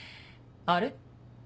あれ？